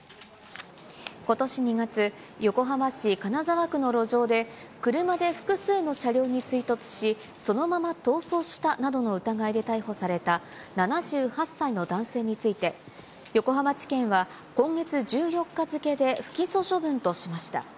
ことし２月、横浜市金沢区の路上で、車で複数の車両に追突し、そのまま逃走したなどの疑いで逮捕された７８歳の男性について、横浜地検は今月１４日付で不起訴処分としました。